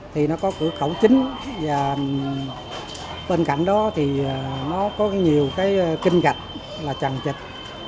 thì nó có cửa khẩu chính và bên cạnh đó thì nó có nhiều cái kinh gạch là trần trịch